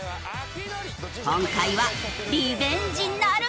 今回はリベンジなるか？